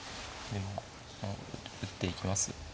打っていきます？